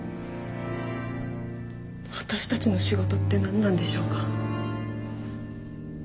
私たちの仕事って何なんでしょうか。